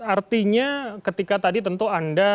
artinya ketika tadi tentu anda